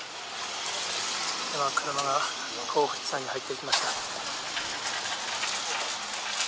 今、車が甲府地裁に入っていきました。